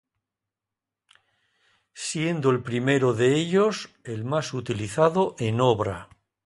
Siendo el primero de ellos el más utilizado en obra.